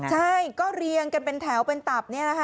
ใช่ก็เรียงกันเป็นแถวเป็นตับ